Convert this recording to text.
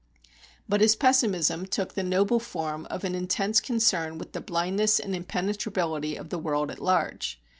But his pessimism took the noble form of an intense concern with the blindness and impenetrability of the world at large.